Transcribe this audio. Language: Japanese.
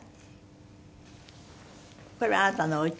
これはあなたのおうち？